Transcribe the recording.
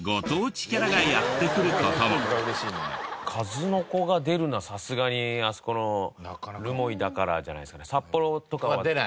数の子が出るのはさすがにあそこの留萌だからじゃないですかね。